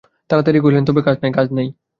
তাড়াতাড়ি কহিলেন, তবে কাজ নাই– কাজ নাই।